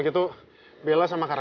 tunggu dulu pernah lagi